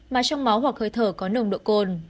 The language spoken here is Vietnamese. mà trong máu hoặc hơi thở có nồng độ cồn